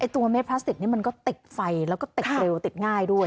ตัวเม็ดพลาสติกนี้มันก็ติดไฟแล้วก็ติดเร็วติดง่ายด้วย